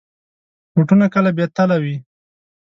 بوټونه کله بې تله وي.